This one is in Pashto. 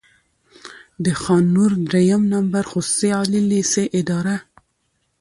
د خان نور دريیم نمبر خصوصي عالي لېسې اداره،